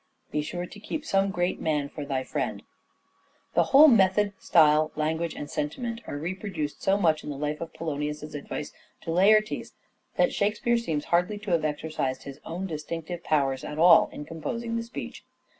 " Be sure to keep some great man for thy friend." The whole method, style, language and sentiment are reproduced so much to the life in Polonius's advice to Laertes that Shakespeare seems hardly to have exercised his own distinctive powers at all in composing the speech.